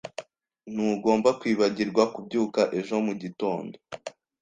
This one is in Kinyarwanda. Ntugomba kwibagirwa kubyuka ejo mugitondo.